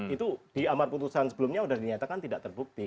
itu di amar putusan sebelumnya sudah dinyatakan tidak terbukti